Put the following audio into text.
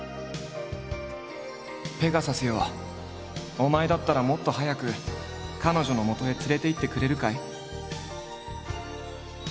「ペガサスよお前だったらもっと早くカノジョの元へ連れていってくれるかい？」。